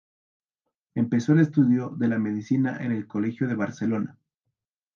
Empezó el estudio de la Medicina en el colegio de Barcelona.